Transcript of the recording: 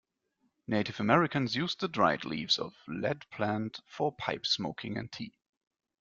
Native Americans used the dried leaves of lead plant for pipe smoking and tea.